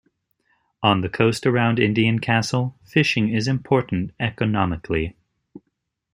On the coast around Indian Castle, fishing is important economically.